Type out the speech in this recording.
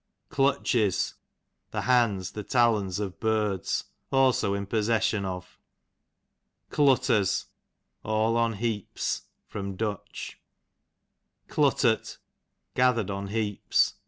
Clutches, the hands, the talons of birds ; also in possession of. Clutters, all on heaps. Du. Cluttert, gather' d on heaps.